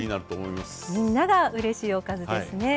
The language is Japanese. みんながうれしいおかずですね。